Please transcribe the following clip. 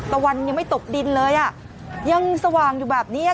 ตะวันยังไม่ตกดินเลยอ่ะยังสว่างอยู่แบบเนี้ย